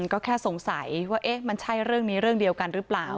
ก็แค่สงสัยว่ามันใช่เรื่องนี้เรื่องเดียวกันหรือเปล่า